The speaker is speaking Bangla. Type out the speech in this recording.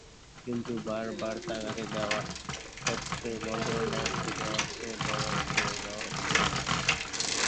কিন্তু বারবার তাগাদা দেওয়া সত্ত্বেও মন্ত্রণালয় থেকে অর্থ বরাদ্দ দেওয়া হচ্ছে না।